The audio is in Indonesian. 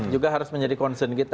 juga harus menjadi concern kita